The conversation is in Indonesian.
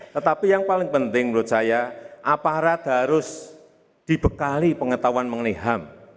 tetapi yang paling penting menurut saya aparat harus dibekali pengetahuan mengenai ham